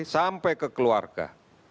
sampai ke keluarga